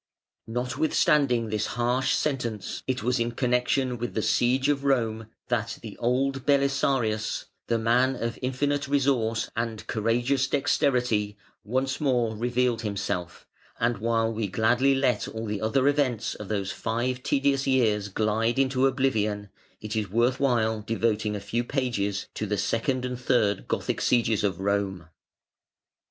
Notwithstanding this harsh sentence, it was in connection with the siege of Rome that the old Belisarius, the man of infinite resource and courageous dexterity, once more revealed himself, and while we gladly let all the other events of these five tedious years glide into oblivion, it is worth while devoting a few pages to the Second and Third Gothic sieges of Rome.